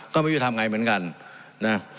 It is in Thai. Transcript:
ก็ไม่รู้จะทำไงเหมือนกันนะ